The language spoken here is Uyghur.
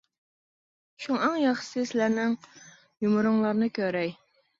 شۇڭا ئەڭ ياخشىسى سىلەرنىڭ يۇمۇرۇڭلارنى كۆرەي.